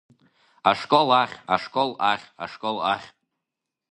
Ашкол ахь, ашкол ахь, ашкол ахь!